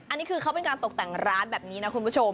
อันนี้คือเขาเป็นการตกแต่งร้านแบบนี้นะคุณผู้ชม